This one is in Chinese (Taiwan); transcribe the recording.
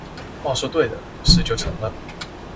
話說對了，事就成了